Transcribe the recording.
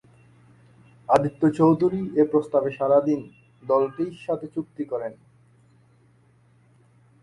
আদিত্য চৌধুরী এই প্রস্তাবে সাড়া দিয়ে, দলটির সাথে চুক্তি করেন।